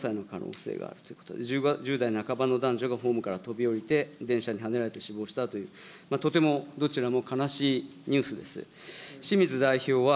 保険証の記載から歳という可能性があるということで、１０代半ばの男女がホームから飛び降りて、電車にはねられて死亡したという、どちらもとても悲しいニュースです。